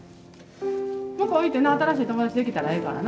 向こう行ってな新しい友達できたらええからな。